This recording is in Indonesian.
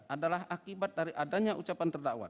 adalah akibat dari adanya ucapan terdakwa